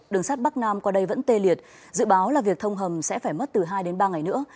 đường sắt bắc nam qua đây vẫn tê liệt dự báo là việc thông hầm sẽ phải mất từ hai đến ba ngày nữa